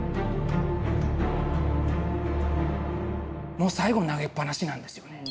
もう最後投げっぱなしなんですよね。